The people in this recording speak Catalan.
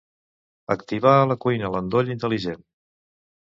Activar a la cuina l'endoll intel·ligent.